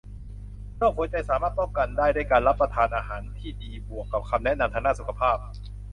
โรคหัวใจสามารถป้องกันได้ด้วยการรับประทานอาหารที่ดีบวกกับคำแนะนำทางด้านสุขภาพ